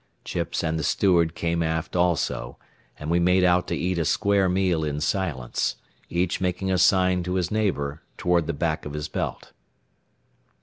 Chips and the steward came aft, also, and we made out to eat a square meal in silence, each making a sign to his neighbor toward the back of his belt.